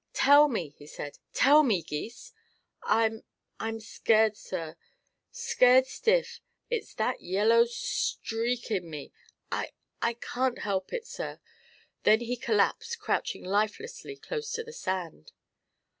"Tell me," he said. "Tell me, Gys!" "I I'm scared, sir s s scared stiff. It's that yellow s s s streak in me; I I can't help it, sir." Then he collapsed, crouching lifelessly close to the sand.